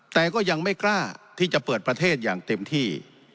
แต่ก็ยังไม่กล้าที่จะเปิดประเทศอย่างเต็มที่